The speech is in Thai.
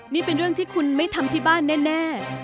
นี่เป็นเรื่องที่คุณไม่ทำที่บ้านแน่